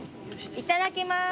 いただきます！